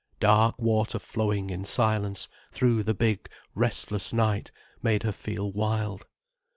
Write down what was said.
Dark water flowing in silence through the big, restless night made her feel wild.